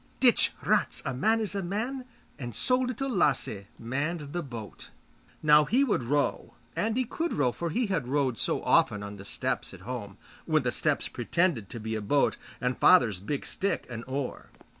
Ditsch, ratsch, a man is a man, and so Little Lasse manned the boat. Now he would row and he could row, for he had rowed so often on the step sat home, when the steps pretended to be a boat and father's big stick an oar.